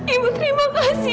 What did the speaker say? ibu terima kasih